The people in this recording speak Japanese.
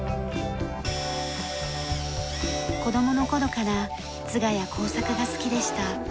子供の頃から図画や工作が好きでした。